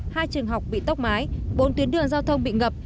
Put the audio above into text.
hai trường học bị tốc mái bốn tuyến đường giao thông bị ngập